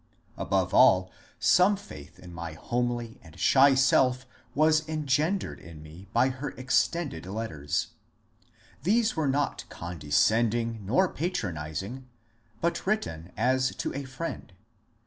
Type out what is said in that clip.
Above all, some faith in my homely and shy self was engendered in me JUSTICE DANIEL 33 by her extended letters. These were not condescending nor patronizing, but written as to a friend.